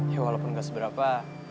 ya walaupun gak seberapa